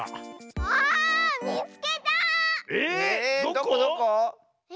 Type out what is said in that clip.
どこどこ⁉え